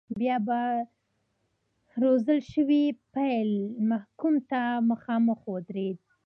بیا به روزل شوی پیل محکوم ته مخامخ ودرېد.